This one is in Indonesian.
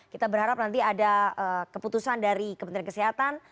kita berharap nanti ada keputusan dari kementerian kesehatan